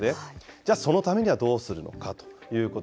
じゃあそのためにはどうするのかということ。